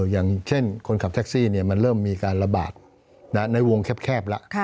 อย่างเช่นคนขับแท็กซี่มันเริ่มมีการระบาดในวงแคบแล้ว